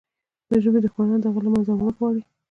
د ژبې دښمنان د هغې له منځه وړل غواړي.